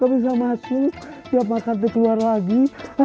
gak bisa masuk gak makan kelihatan lagi